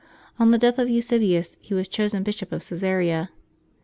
On the death of Eusebius, he was chosen Bishop of Cagsarea.